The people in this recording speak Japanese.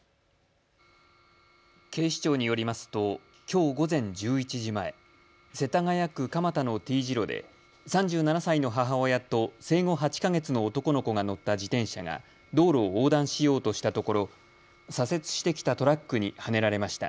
警視庁によりますときょう午前１１時前、世田谷区鎌田のＴ字路で３７歳の母親と生後８か月の男の子が乗った自転車が道路を横断しようとしたところ左折してきたトラックにはねられました。